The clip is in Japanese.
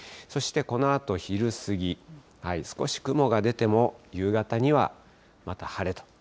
そしてこのあと昼過ぎ、少し雲が出ても、夕方にはまた晴れと。